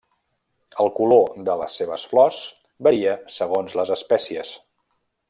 El color de les seves flors varia segons les espècies.